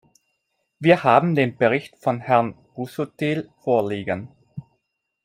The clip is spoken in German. Wir haben den Bericht von Herrn Busuttil vorliegen.